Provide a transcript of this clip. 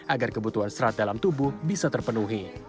agar kebutuhan serat dalam tubuh bisa terpenuhi